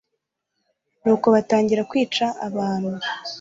nuko batangira kwica abantu